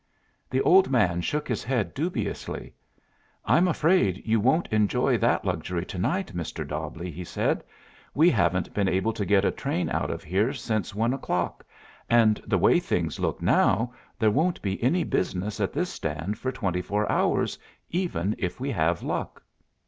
The old man shook his head dubiously. "I'm afraid you won't enjoy that luxury to night, Mr. Dobbleigh," he said. "We haven't been able to get a train out of here since one o'clock, and the way things look now there won't be any business at this stand for twenty four hours, even if we have luck."